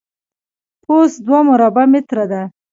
پوست دوه مربع متره ده.